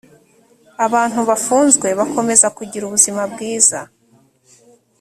abantu bafunzwe bakomeza kugira ubuzima bwiza